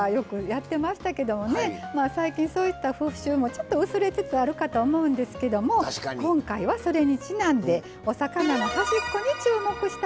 最近そういった風習も薄れつつあるかと思うんですけども今回はそれにちなんでお魚の端っこに注目したいと思います。